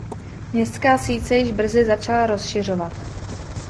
Městská síť se již brzy začala rozšiřovat.